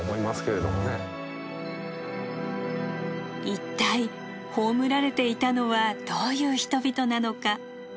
一体葬られていたのはどういう人々なのか？